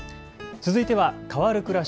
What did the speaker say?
続いては変わるくらし